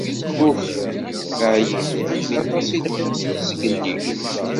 Uk ɛyiɣ, aṭas i lḥiɣ seg zgelli.